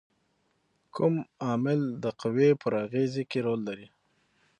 کوم عامل د قوې پر اغیزې کې رول لري؟